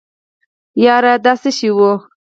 يره دا څه شی و.